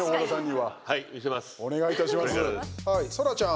はい、そらちゃん。